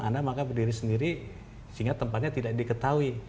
anda maka berdiri sendiri sehingga tempatnya tidak diketahui